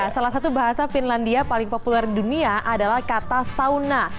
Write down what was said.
salah satu bahasa finlandia paling populer di dunia adalah kata sauna